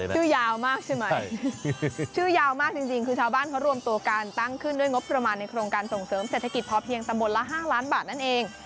ชื่อยาวมากใช่ไหมชื่อยาวมากจริงคือชาวบ้านเขารวมตัวกันตั้งขึ้นด้วยงบประมาณในโครงการส่งเสริมเศรษฐกิจพอเพียงตำบลละ๕ล้านบาทนั่นเอง